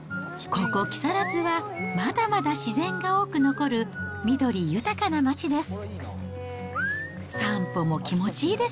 ここ、木更津はまだまだ自然が多く残る緑豊かな街です。